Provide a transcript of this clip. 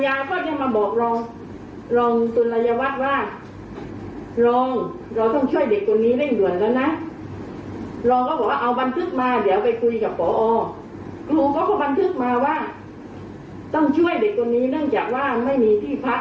และคงประสงค์อยากเรียนที่นี้